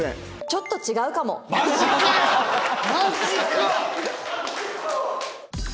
マジかよ！